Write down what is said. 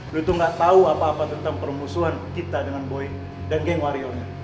lu tuh gak tau apa apa tentang peromusuhan kita dengan boy dan geng warionya